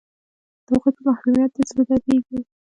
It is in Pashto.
د هغوی په محرومیت دې زړه دردیږي